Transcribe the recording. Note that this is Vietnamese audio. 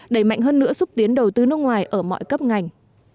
đẩy mạnh hơn nữa xúc tiến đầu tư nước ngoài ở mọi cấp ngành